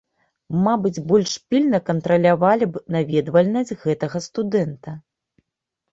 Мабыць, больш пільна кантралявалі б наведвальнасць гэтага студэнта.